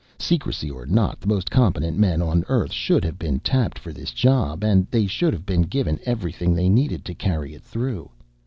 Secrecy or not, the most competent men on Earth should have been tapped for this job, and they should have been given everything they needed to carry it through.